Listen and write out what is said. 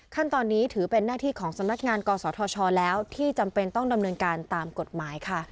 ขั้นตอนนี้ถือเป็นหน้าที่ของสำนักงานกศธชแล้วที่จำเป็นต้องดำเนินการตามกฎหมายค่ะ